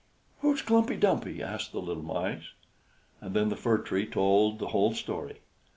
"Who's Klumpey Dumpey?" asked the little Mice. And then the Fir Tree told the whole story.